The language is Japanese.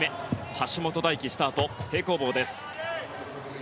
橋本大輝、スタート平行棒です。